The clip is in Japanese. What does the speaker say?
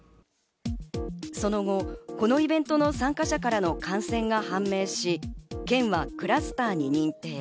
その後、このイベントの参加者からの感染が判明し、県はクラスターに認定。